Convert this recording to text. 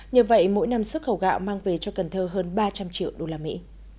nhờ vậy mỗi năm xuất khẩu gạo mang về cho cần thơ hơn ba trăm linh triệu đô la mỹ